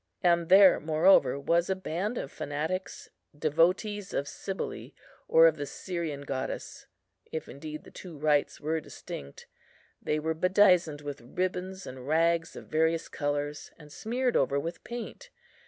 And there, moreover, was a band of fanatics, devotees of Cybele or of the Syrian goddess, if indeed the two rites were distinct. They were bedizened with ribbons and rags of various colours, and smeared over with paint.